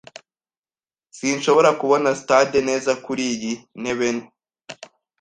Sinshobora kubona stade neza kuriyi ntebe.